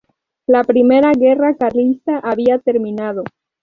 La Primera Guerra Carlista había terminado.